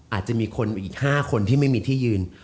อาจจะมีคนอีก๕คนที่ไม่มีที่ยืน